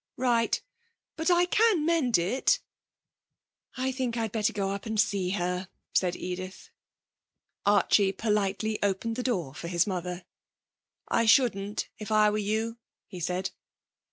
'Right. But I can mend it.' 'I think I'd better go up and see her,' said Edith. Archie politely opened the door for his mother. 'I shouldn't, if I were you,' he said.